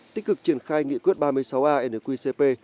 tích cực triển khai nghị quyết ba mươi sáu a nqcp